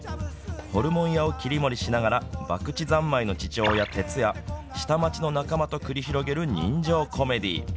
ホルモン屋を切り盛りしながらばくち三昧の父親テツや下町の仲間と繰り広げる人情コメディー。